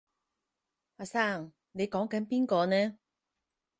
阿生你講緊邊個呢？